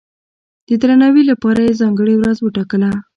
د درناوي لپاره یې ځانګړې ورځ وټاکله.